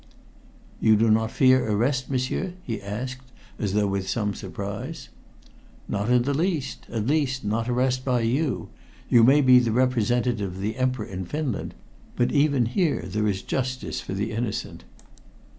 "You do not fear arrest, m'sieur?" he asked, as though with some surprise. "Not in the least at least, not arrest by you. You may be the representative of the Emperor in Finland, but even here there is justice for the innocent."